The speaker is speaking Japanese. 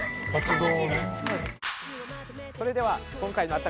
それでは今回のあっ！